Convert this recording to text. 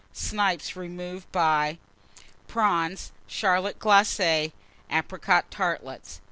Snipes, removed by Prawns. Charlotte glacée. Apricot Tartlets.